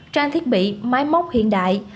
trang thiết bị máy móc hiện đại